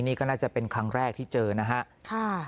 นี่ก็น่าจะเป็นครั้งแรกที่เจอนะครับ